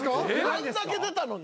・あんだけ出たのに。